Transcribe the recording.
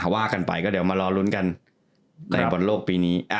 ว่ากันไปก็เดี๋ยวมารอลุ้นกันในบอลโลกปีนี้